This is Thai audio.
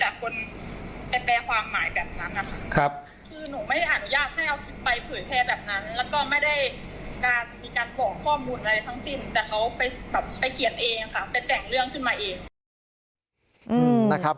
แต่เขาไปเขียนเองค่ะไปแต่งเรื่องขึ้นมาเอง